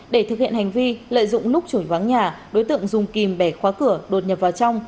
để thực hiện hành vi lợi dụng lúc chổi vắng nhà đối tượng dùng kìm bẻ khóa cửa đột nhập vào trong